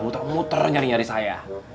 muter muter nyari nyari saya